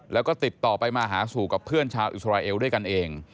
แล้วก็ติดต่อไปมาหาสู่กับเพื่อนชาวอิสราเอลด้วยกันเอง